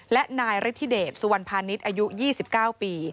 และนายฤทธิเดชสุวรรณพาณิชย์อายุ๒๙ปี